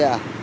à thế ạ